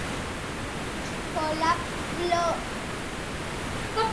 Kolapsoa jasan zuen nekeagatik eta esku-ohean eraman behar izan zuten jaitsierako azken txanpan.